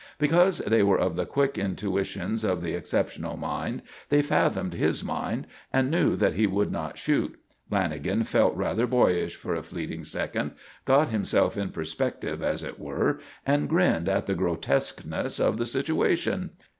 Because they were of the quick intuitions of the exceptional mind, they fathomed his mind and knew that he would not shoot. Lanagan felt rather boyish for a fleeting second; got himself in perspective, as it were, and grinned at the grotesqueness of the situation.